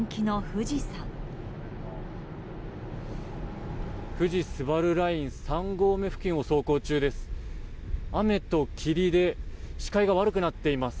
富士スバルライン３合目付近を走行中です。